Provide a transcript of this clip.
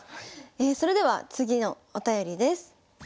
それでは次のお便りです。